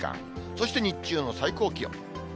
そして日中の最高気温。